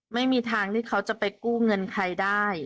ไม่มีทางที่เขาจะไปกู้เงินใครได้